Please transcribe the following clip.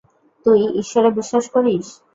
তুই ঈশ্বরে বিশ্বাস করিস?